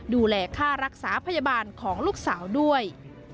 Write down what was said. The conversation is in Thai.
ดูแลค่ารักษาพยาบาลของลูกสาวด้วย